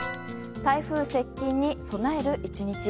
台風接近に、備える１日。